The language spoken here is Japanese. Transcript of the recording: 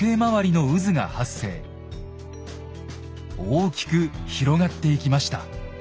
大きく広がっていきました。